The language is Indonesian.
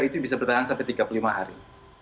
itu bisa bertahan sampai tiga puluh lima hari